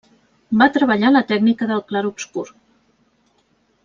Va treballar la tècnica del clarobscur.